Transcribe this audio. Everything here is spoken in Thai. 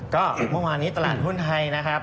ก็เมื่อวานนี้ตลาดหุ้นไทยนะครับ